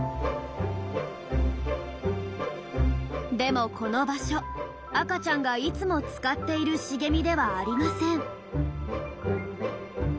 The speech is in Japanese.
でもこの場所赤ちゃんがいつも使っている茂みではありません。